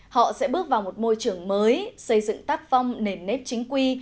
họ sẽ bước vào một môi trường mới xây dựng tác phong nền nếp chính quy